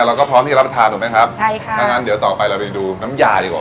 เราก็พร้อมให้เราไปทานหนูไหมครับใช่ครับดังนั้นเดี๋ยวต่อไปเราไปดูน้ำยาดีกว่า